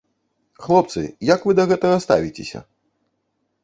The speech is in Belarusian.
Хлопцы, як вы да гэтага ставіцеся?